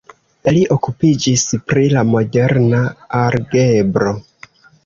Li okupiĝis pri la moderna algebro.